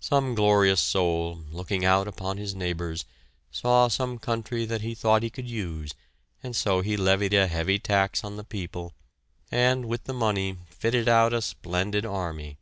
Some glorious soul, looking out upon his neighbors, saw some country that he thought he could use and so he levied a heavy tax on the people, and with the money fitted out a splendid army.